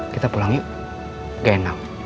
kita pulang yuk gak enak